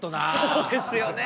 そうですよね。